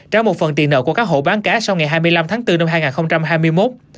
trả một phần tiền nợ của các hộ bán cá sau ngày hai mươi năm tháng bốn năm hai nghìn hai mươi một